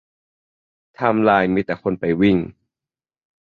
ไทม์ไลน์มีแต่คนไปวิ่ง